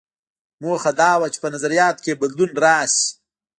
موخه دا وه چې په نظریاتو کې یې بدلون راشي.